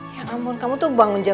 ya ampun kamu tuh bangun jam jam